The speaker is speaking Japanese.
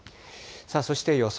そして予想